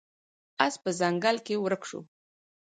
اس په ځنګل کې ورک شو.